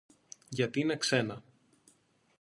Γιατί είναι ξένα